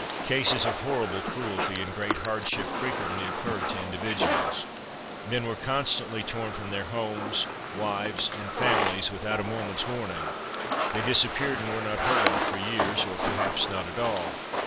Cases of horrible cruelty and great hardship frequently occurred to individuals. Men were constantly torn from their homes, wives, and families, without a moment's warning. They disappeared and were not heard of for years, or perhaps not at all.